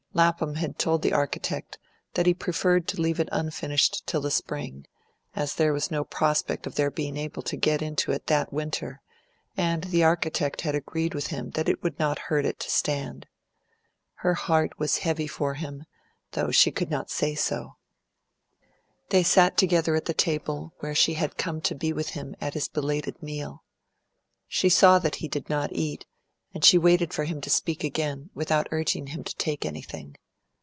Lapham had told the architect that he preferred to leave it unfinished till the spring, as there was no prospect of their being able to get into it that winter; and the architect had agreed with him that it would not hurt it to stand. Her heart was heavy for him, though she could not say so. They sat together at the table, where she had come to be with him at his belated meal. She saw that he did not eat, and she waited for him to speak again, without urging him to take anything.